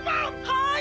はい！